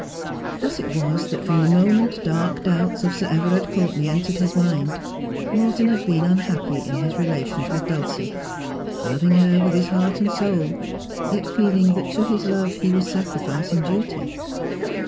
Thus it was that from the moment dark doubts of Sir Everard Courtenay entered his mind, Morton had been unhappy in his relations with Dulcie ; loving her with his heart and soul, yet feeling that to his love he was sacrificing duty.